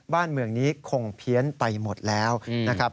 บ้านเมืองนี้คงเพี้ยนไปหมดแล้วนะครับ